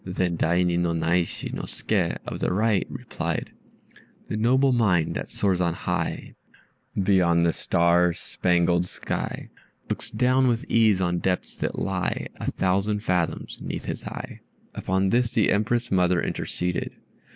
Then Daini no Naishi no Ske, of the right, replied, "The noble mind that soars on high, Beyond the star bespangled sky; Looks down with ease on depths that lie A thousand fathoms 'neath his eye." Upon this, the Empress mother interceded.